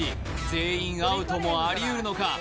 全員アウトもありうるのか？